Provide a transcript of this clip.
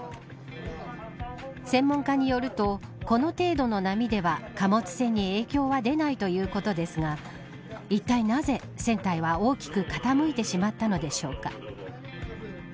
専門家によるとこの程度の波では貨物船に影響は出ないということですがいったいなぜ、船体が大きく傾いてしまったのか。